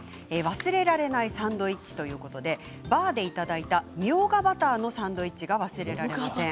忘れられないサンドイッチということでバーでいただいたみょうがバターのサンドイッチが忘れられない。